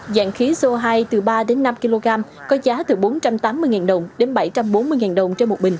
dạng khí số hai từ ba đến năm kg có giá từ bốn trăm tám mươi ngàn đồng đến bảy trăm bốn mươi ngàn đồng